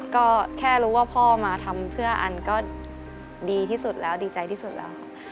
ก็แค่รู้ว่าพ่อมาทำเพื่ออันก็ดีที่สุดแล้วดีใจที่สุดแล้วค่ะ